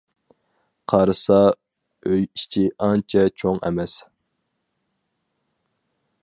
قارىسا، ئۆي ئىچى ئانچە چوڭ ئەمەس.